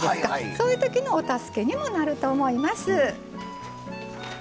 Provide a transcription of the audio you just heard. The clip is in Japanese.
そういう時のお助けにもなると思います。